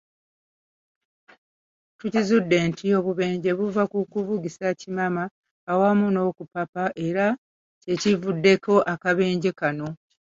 Tuzudde nti obubenje buva ku kuvugisa kimama awamu n'okupapa era kyekivuddeko akabenje kano.